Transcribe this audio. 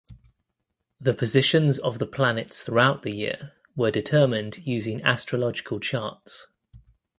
The positions of the planets throughout the year were determined using astrological charts.